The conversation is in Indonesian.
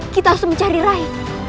kita harus mencari rai